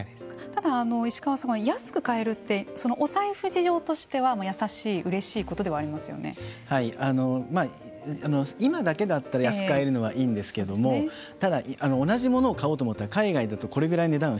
ただ石川さん安く買えるってお財布事情としては優しい、うれしいことでは今だけだったら安く買えるのはいいんですけれどもただ、同じものを買おうと思ったら海外だとこれぐらいの値段を